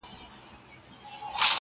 هر مضر له خپله اصله معلومیږي -